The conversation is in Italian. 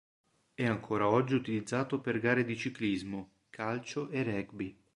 È ancora oggi utilizzato per gare di ciclismo, calcio e rugby.